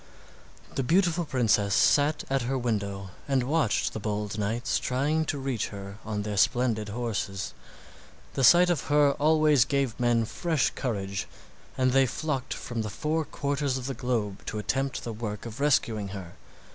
The beautiful princess sat at her window and watched the bold knights trying to reach her on their splendid horses. The sight of her always gave men fresh courage, and they flocked from the four quarters of the globe to attempt the work of rescuing her.